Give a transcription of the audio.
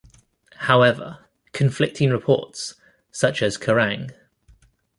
However, conflicting reports, such as Kerrang!